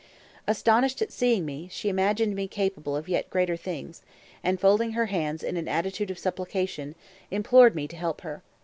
Astonished at seeing me, she imagined me capable of yet greater things, and folding her hands in an attitude of supplication, implored me to help her.